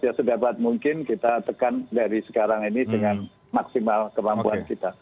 ya sedapat mungkin kita tekan dari sekarang ini dengan maksimal kemampuan kita